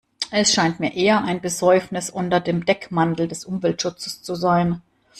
Es scheint mir eher ein Besäufnis unter dem Deckmantel des Umweltschutzes zu sein.